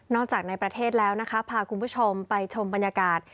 จากในประเทศแล้วนะคะพาคุณผู้ชมไปชมบรรยากาศ